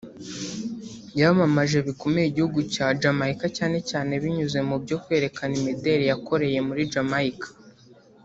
yamamaje bikomeye igihugu cya Jamaica cyane cyane binyuze mu byo kwerekana imideli yakoreye muri Jamaica